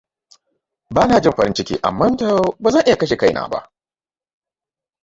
Bana jin farin ciki, amma ba zan iya kashe kaina ba.